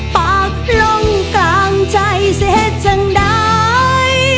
ปากลงกลางใจเสียเฮ็ดช่างได้